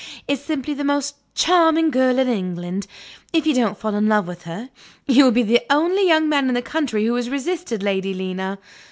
is simply the most charming girl in England. If you don't fall in love with her, you will be the only young man in the county who has resisted Lady Lena.